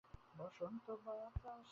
মোক্ষদা জিজ্ঞাসা করে, কে ডাকে লো মতি?